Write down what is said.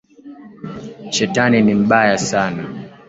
Shetani ni.mbaya Sana.